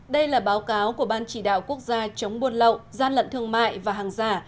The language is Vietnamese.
đây là báo cáo của ban chỉ đạo quốc gia chống buôn lậu gian lận thương mại và hàng giả